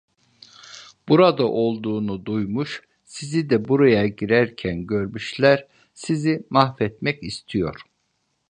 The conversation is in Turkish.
Burada olduğunu duymuş, sizi de buraya girerken görmüşler; sizi mahvetmek istiyor…